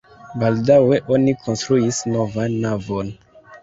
Baldaŭe oni konstruis novan navon.